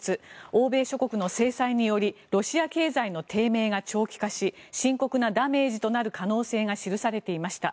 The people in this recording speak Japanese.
欧米諸国の制裁によりロシア経済の低迷が長期化し深刻なダメージとなる可能性が記されていました。